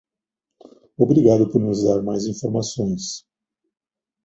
Obrigado por nos dar mais informações.